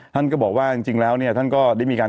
ท่านก็บอกว่าจริงแล้วเนี่ยท่านก็ได้มีการ